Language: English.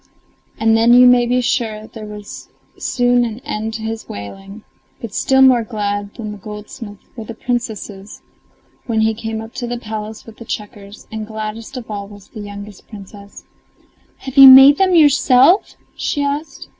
And then, you may be sure, there was soon an end to his wailing. But still more glad than the goldsmith were the Princesses, when he came up to the palace with the checkers, and gladdest of all was the youngest Princess. "Have you made them yourself?" she asked.